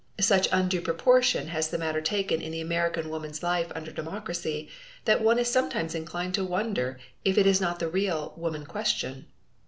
Such undue proportion has the matter taken in the American Woman's life under democracy that one is sometimes inclined to wonder if it is not the real "woman question."